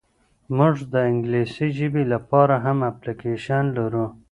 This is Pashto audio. موږ د انګلیسي ژبي لپاره هم اپلیکیشن لرو.